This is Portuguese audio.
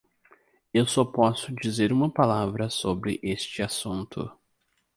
Eu só posso dizer uma palavra sobre este assunto.